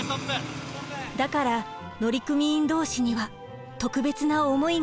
だから乗組員同士には特別な思いがあります。